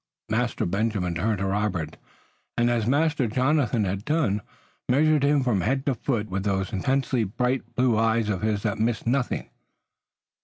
Master Benjamin turned to Robert, and, as Master Jonathan had done, measured him from head to foot with those intensely bright blue eyes of his that missed nothing.